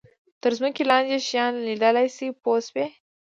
تر ځمکې لاندې شیان لیدلای شي پوه شوې!.